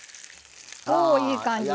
おいい感じ。